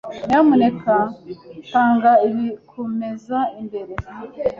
Nyamuneka tanga ibi kumeza imbere.